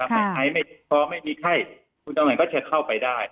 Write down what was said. เพราะไม่มีไข้คุณจองขวัญก็จะเข้าไปได้